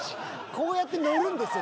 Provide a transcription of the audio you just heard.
こうやって乗るんですよ